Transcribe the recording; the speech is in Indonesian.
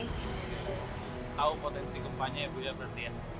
tahu potensi gempanya ya bu ya berarti ya